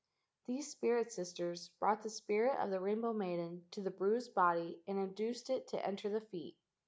These spirit sisters brought the spirit of the rainbow maiden to the bruised body and induced it to enter the feet.